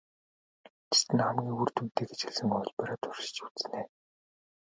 Эцэст нь хамгийн үр дүнтэй гэж үзсэн хувилбараа туршиж үзнэ.